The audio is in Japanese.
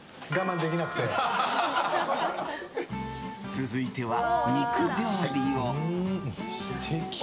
続いては、お肉料理を。